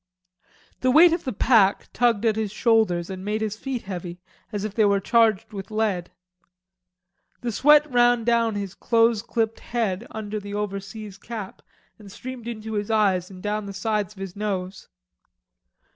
The weight of the pack tugged at his shoulders and made his feet heavy as if they were charged with lead. The sweat ran down his close clipped head under the overseas cap and streamed into his eyes and down the sides of his nose.